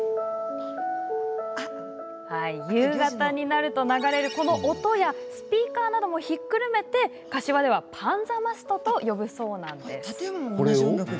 夕方になると流れる音やスピーカーなどもひっくるめて柏ではパンザマストと呼ぶそうなんです。